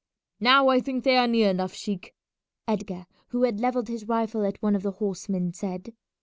"Now I think they are near enough, sheik," Edgar, who had levelled his rifle at one of the horsemen, said.